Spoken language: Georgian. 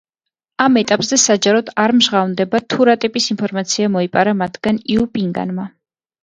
ამ ეტაპზე საჯაროდ არ მჟღავნდება, თუ რა ტიპის ინფორმაცია მოიპარა მათგან იუ პინგანმა.